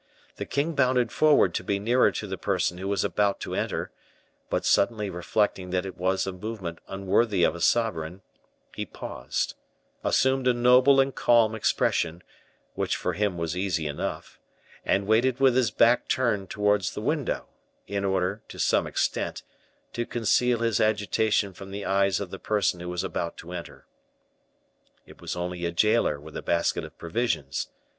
The king bounded forward to be nearer to the person who was about to enter, but, suddenly reflecting that it was a movement unworthy of a sovereign, he paused, assumed a noble and calm expression, which for him was easy enough, and waited with his back turned towards the window, in order, to some extent, to conceal his agitation from the eyes of the person who was about to enter. It was only a jailer with a basket of provisions.